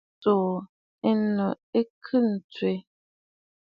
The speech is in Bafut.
Nɨ̀ bàrà tsuu ɨnnù ki tswɛɛ.